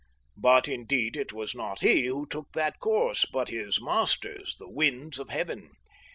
But indeed it was not he who took that course, but his masters, the winds of heaven.